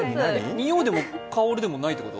においでも、香りでもないってこと？